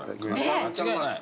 間違いない。